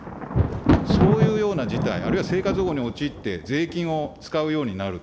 そういうような事態、あるいは生活保護に陥って、税金を使うようになる。